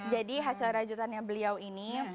jadi hasil rajutannya beliau ini